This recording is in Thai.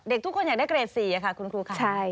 เด็กทุกคนอยากได้เกรด๔ค่ะคุณครูค่ะ